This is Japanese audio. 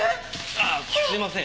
ああすいません。